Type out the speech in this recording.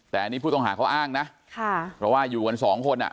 แต่นี่ผู้ต่องหากเขาอ้างนะเพราะว่าอยู่กัน๒คน